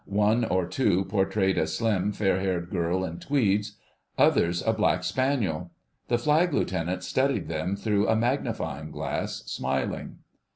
One or two portrayed a slim, fair haired girl in tweeds; others a black spaniel. The Flag Lieutenant studied them through a magnifying glass, smiling.